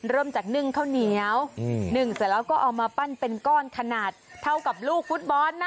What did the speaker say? เริ่มจากนึ่งข้าวเหนียวนึ่งเสร็จแล้วก็เอามาปั้นเป็นก้อนขนาดเท่ากับลูกฟุตบอลนะ